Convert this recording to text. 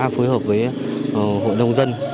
phối hợp với hội nông dân